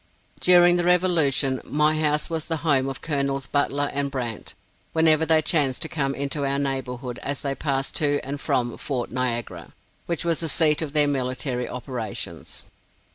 During the revolution, my house was the home of Col's Butler and Brandt, whenever they chanced to come into our neighborhood as they passed to and from Fort Niagara, which was the seat of their military operations.